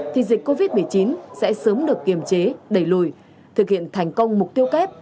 thì dịch covid một mươi chín sẽ sớm được kiềm chế đẩy lùi thực hiện thành công mục tiêu kép